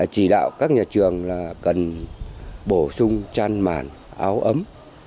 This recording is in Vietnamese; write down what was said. chỉ đạo các nhà trường là cần bổ sung chăn màn áo ấm